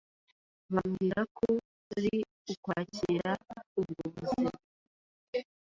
bambwira ko ri ukwakira ubwo buzima